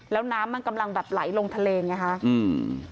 แล้วน้ำมันกำลังแบบไหลลงทะเลไงฮะอืม